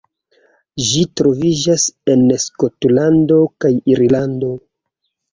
Ĝi troviĝas en Skotlando kaj Irlando.